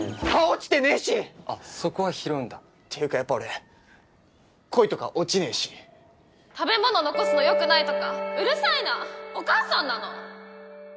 落ちてねえしあっそこは拾うんだっていうかやっぱ俺恋とか落ちねえし食べ物残すのよくないとかお母さんなの？